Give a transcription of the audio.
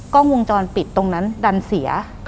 กล้องวงจรปิดตรงนั้นดันเสีย